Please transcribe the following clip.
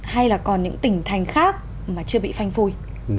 hay là còn những tỉnh thành khác mà chưa bị phanh phui